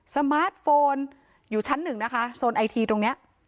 สมาร์ทโฟนอยู่ชั้นหนึ่งนะคะโซนไอทีตรงเนี้ย